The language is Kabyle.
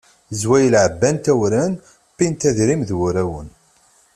Zwayel ɛebbant awren, wwint adrim d wurawen.